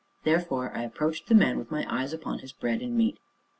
Therefore I approached the man, with my eyes upon his bread and meat.